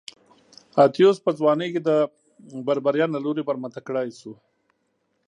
اتیوس په ځوانۍ کې د بربریانو له لوري برمته کړای شو